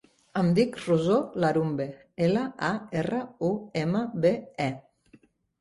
Em dic Rosó Larumbe: ela, a, erra, u, ema, be, e.